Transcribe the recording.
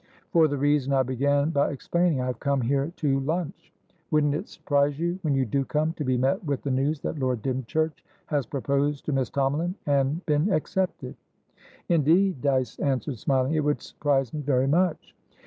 "For the reason I began by explaining. I have to come here to lunch." "Would it surprise you, when you do come, to be met with the news that Lord Dymchurch has proposed to Miss Tomalin and been accepted?" "Indeed," Dyce answered, smiling, "it would surprise me very much."